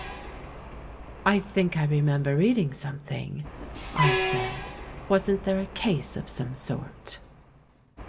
"I think I remember reading something," I said. "Wasn't there a case of some sort?"